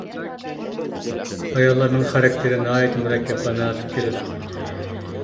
ئاياللارنىڭ خاراكتېرى ناھايىتى مۇرەككەپ ۋە نازۇك كېلىدۇ.